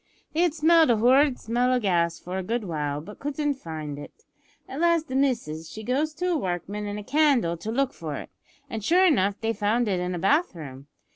They had smelled a horrid smell o' gas for a good while, but couldn't find it. At last the missis, she goes with a workman an a candle to look for it, an' sure enough they found it in a bathroom.